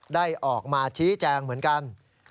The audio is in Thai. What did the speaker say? ได้ออกมาชี้แจงเหมือนกัน